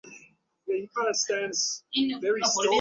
তিনি কলকাতা প্রেসিডেন্সি কলেজে থেকে বিএ পাশ করেন।